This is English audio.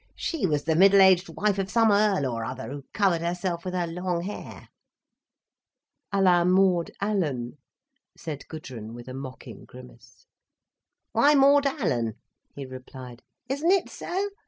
"She was the middle aged wife of some Earl or other, who covered herself with her long hair." "À la Maud Allan," said Gudrun with a mocking grimace. "Why Maud Allan?" he replied. "Isn't it so?